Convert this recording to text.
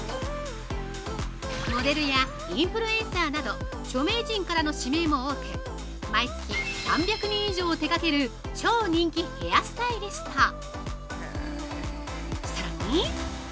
モデルやインフルエンサーなど、著名人からの指名も多く、毎月３００人以上を手掛ける、超人気ヘアスタイリスト！